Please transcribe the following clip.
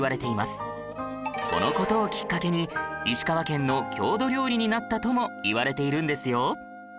この事をきっかけに石川県の郷土料理になったともいわれているんですよ